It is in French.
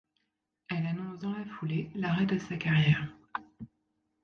Elle annonce dans la foulée l'arrêt de sa carrière.